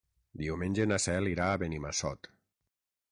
Diumenge na Cel irà a Benimassot.